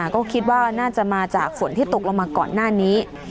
ก็คิดว่าน่าจะมาจากฝนที่ตกลงมาก่อนหน้านี้